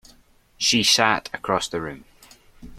She sat across the room.